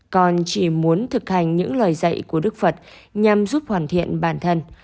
còn chỉ muốn thực hành những lời dạy của đức phật nhằm giúp hoàn thiện bản thân